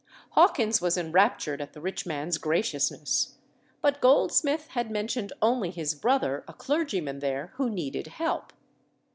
Hawkins was enraptured at the rich man's graciousness. But Goldsmith had mentioned only his brother, a clergyman there, who needed help.